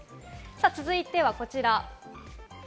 続いてはこちら。